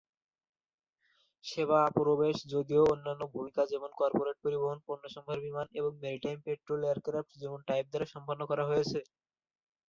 সেবা প্রবেশ যদিও অন্যান্য ভূমিকা যেমন কর্পোরেট পরিবহন, পণ্যসম্ভার বিমান এবং মেরিটাইম পেট্রোল এয়ারক্রাফট যেমন টাইপ দ্বারা সম্পন্ন করা হয়েছে।